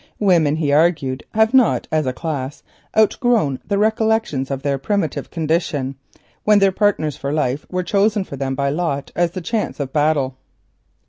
Women, he argued, have not, as a class, outgrown the traditions of their primitive condition when their partners for life were chosen for them by lot or the chance of battle.